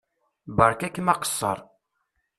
Beṛka-kem aqeṣṣeṛ.